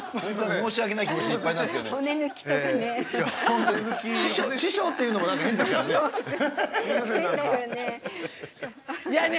申し訳ない気持ちでいっぱいなんですけどね。